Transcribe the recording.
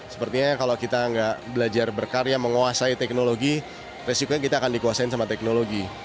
sepertinya kalau kita nggak belajar berkarya menguasai teknologi resikonya kita akan dikuasai sama teknologi